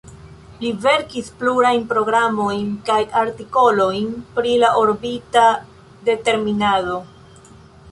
Li verkis plurajn programojn kaj artikolojn pri la orbita determinado.